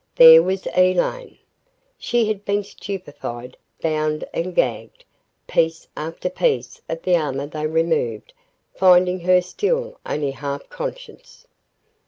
There was Elaine! She had been stupefied, bound and gagged. Piece after piece of the armor they removed, finding her still only half conscious.